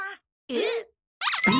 えっ？